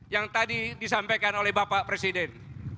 yang tadi disampaikan oleh bapak presiden